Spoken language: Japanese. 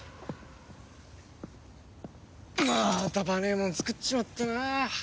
まーたパネェもん作っちまったなあ。